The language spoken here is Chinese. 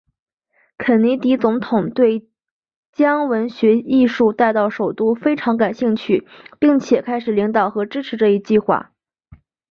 肯尼迪总统对将文学艺术带到首都非常感兴趣并且开始领导和支持这一计划。